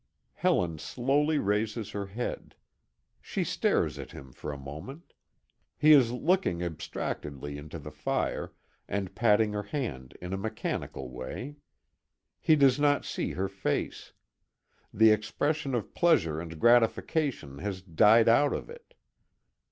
Helen slowly raises her head. She stares at him for a moment. He is looking abstractedly into the fire, and patting her hand in a mechanical way. He does not see her face. The expression of pleasure and gratification has died out of it.